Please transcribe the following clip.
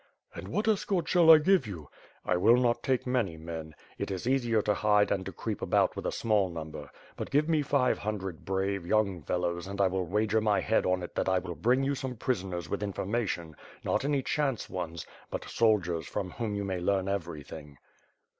"And what escort shall I give you?" "I will not take many men. It is easier to hide and to creep about with a small number. But give me five hundred brave, young fellows and I will wager my head on it that I will bring you some prisoners with information, not any chance ones, but soldiers from whom you may learn everything."